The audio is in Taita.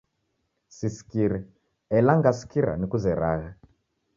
Sisikire ela ngasikira nikuzeragha.